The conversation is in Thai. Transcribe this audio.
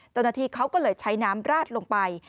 เจ้าหน้าที่เขาก็เลยใช้น้ำราดลงไป